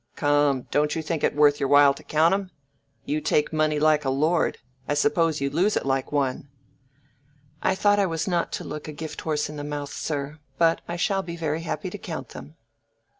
"Come, don't you think it worth your while to count 'em? You take money like a lord; I suppose you lose it like one." "I thought I was not to look a gift horse in the mouth, sir. But I shall be very happy to count them."